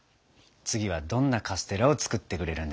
次はどんなカステラを作ってくれるんでしょう。